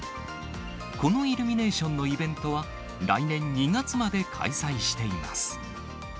このイルミネーションのイベントは、来年２月まで開催しています。